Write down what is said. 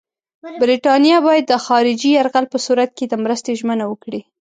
برټانیه باید د خارجي یرغل په صورت کې د مرستې ژمنه وکړي.